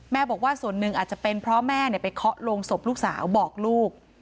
บอกว่าส่วนหนึ่งอาจจะเป็นเพราะแม่ไปเคาะโรงศพลูกสาวบอกลูก